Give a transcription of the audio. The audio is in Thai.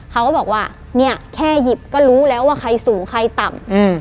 เขาก็บอกว่าเนี่ยแค่หยิบก็รู้แล้วว่าใครสูงใครต่ำ